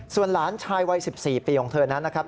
ส่วนหลานชายวัย๑๔ปีของเธอนั้นนะครับ